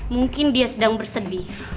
mungkin dia sedang bersedih